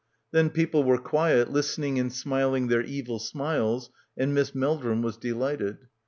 Then people were quiet, listening and smiling their evil smiles and Miss Meldrum was delighted.